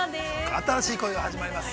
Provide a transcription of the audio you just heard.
◆新しい恋が始まります。